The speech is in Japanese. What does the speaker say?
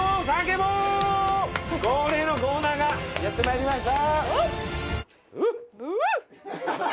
恒例のコーナーがやって参りました！